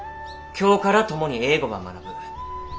今日から共に英語ば学ぶ。